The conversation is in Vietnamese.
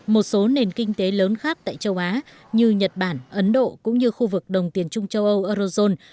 một số nền kinh tế lớn khác tại châu á như nhật bản ấn độ cũng như khu vực đồng tiền trung châu âu eurozone